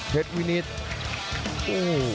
เทศวินิษฐ์